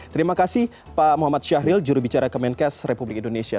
terima kasih pak muhammad syahril jurubicara kemenkes republik indonesia